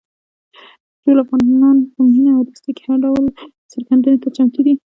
ټول افغانان په مینه او دوستۍ کې هر ډول سرښندنې ته چمتو دي.